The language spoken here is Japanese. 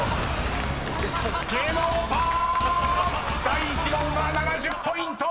［第１問は７０ポイント！］